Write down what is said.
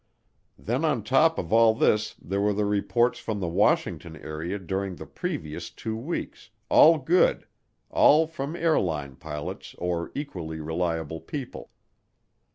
Then on top of all this there were the reports from the Washington area during the previous two weeks all good all from airline pilots or equally reliable people.